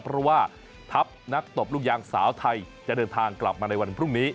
เพราะว่าทัพนักตบลูกยางสาวไทยจะเดินทางกลับมาในวันพรุ่งนี้